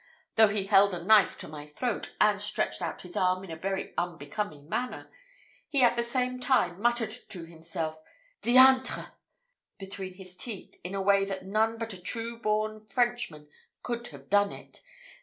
though he held a knife to my throat, and stretched out his arm in a very unbecoming manner, he at the same time muttered to himself, 'Diantre!' between his teeth, in a way that none but a true born Frenchman could have done it.